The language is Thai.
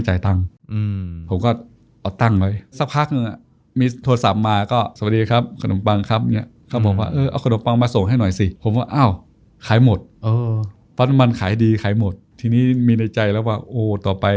เจ้บอกว่ามันขายไม่ได้หรอกนะ